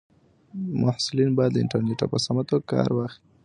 محصلین باید له انټرنیټه په سمه توګه کار واخلي.